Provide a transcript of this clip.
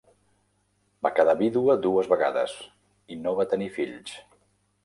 Va quedar vídua dues vegades i no va tenir fills.